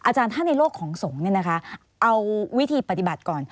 อาจารย์ถ้าในโลกของสงฆ์เอาวิธีปฏิบัติก่อน